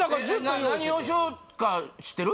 何をしようか知ってる？